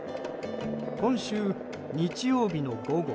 今週日曜日の午後。